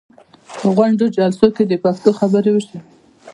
په غونډو او جلسو کې دې پښتو خبرې وشي.